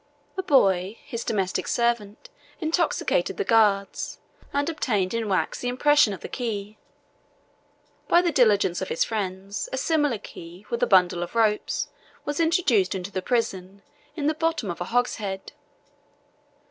A boy, his domestic servant, intoxicated the guards, and obtained in wax the impression of the keys. By the diligence of his friends, a similar key, with a bundle of ropes, was introduced into the prison, in the bottom of a hogshead.